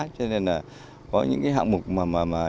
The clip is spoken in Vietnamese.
cho nên là có những cái hạng mục mà